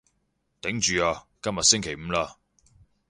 頂住啊，今日星期五喇